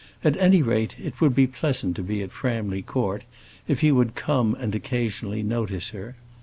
At any rate it would be pleasant to be at Framley Court, if he would come and occasionally notice her.